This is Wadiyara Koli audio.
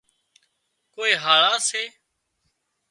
ڪوئي هاۯا سي